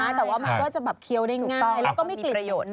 ใช่แต่ว่ามันก็จะแบบเคี้ยวได้ง่ายแล้วก็ไม่กลิ่นมาก